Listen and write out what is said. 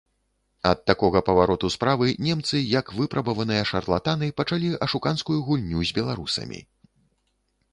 Ад такога павароту справы немцы, як выпрабаваныя шарлатаны, пачалі ашуканскую гульню з беларусамі.